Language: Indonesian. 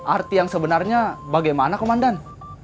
arti yang sebenarnya bagaimana komandan